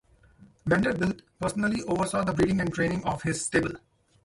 Vanderbilt personally oversaw the breeding and training of his stable.